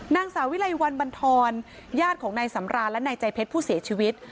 นางสาวิไลวันบรรทรญาติของนายสำรานและนายใจเพชรผู้เสียชีวิต